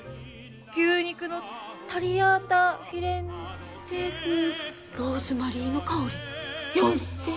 牛肉のタリアータフィレンツェ風ローズマリーの香り４，０００円！？